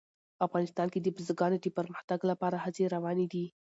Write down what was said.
افغانستان کې د بزګانو د پرمختګ لپاره هڅې روانې دي.